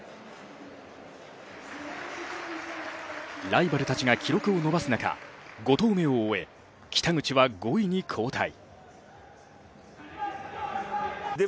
ライバルたちが記録を伸ばす中、５投目を終え、北口は５位に後退。